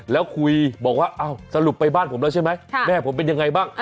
แล้วคุยบอกว่าสรุปไปบ้านผมแล้วใช่ไหมแม่ผมเป็นยังไงบ้าง